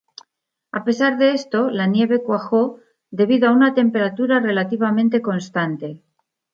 A pesar de esto, la nieve cuajó debido a una temperatura relativamente constante.